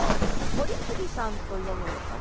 堀切さんと読むのかな？